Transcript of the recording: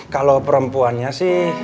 kalau perempuannya sih